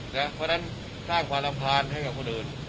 เพราะฉะนั้นสร้างความรำคาญให้กับคนอื่น